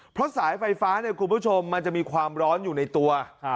เพราะสายไฟฟ้าเนี่ยคุณผู้ชมมันจะมีความร้อนอยู่ในตัว